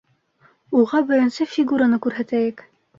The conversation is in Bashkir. —Уға беренсе фигураны күрһәтәйек.